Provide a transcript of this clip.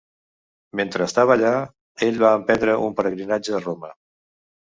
Mentre estava allà, ell va emprendre un peregrinatge a Roma.